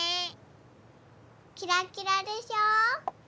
キラキラでしょ？